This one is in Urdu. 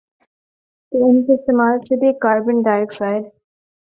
تو ان کے استعمال سے بھی کاربن ڈائی آکسائیڈ